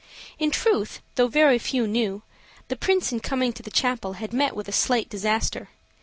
In truth, though very few knew, the Prince in coming to the chapel had met with a slight disaster.